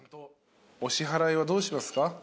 お支払いはどうしますか？